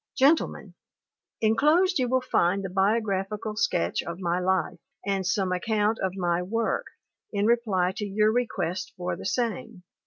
Gentlemen, Enclosed you will find the biographical sketch of my life and some account of my work, in reply to your request for the same.